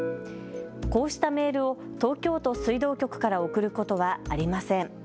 こうしたメールを東京都水道局から送ることはありません。